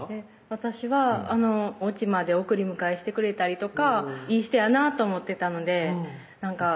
私はおうちまで送り迎えしてくれたりとかいい人やなと思ってたのでなんか